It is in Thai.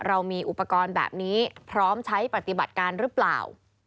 เรามีอุปกรณ์แบบนี้พร้อมใช้ปฏิบัติการหรือเปล่า